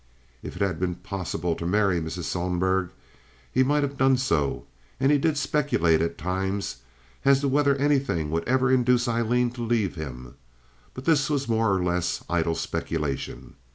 If it had been possible to marry Mrs. Sohlberg he might have done so, and he did speculate at times as to whether anything would ever induce Aileen to leave him; but this was more or less idle speculation.